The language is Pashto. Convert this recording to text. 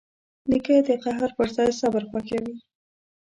نیکه د قهر پر ځای صبر خوښوي.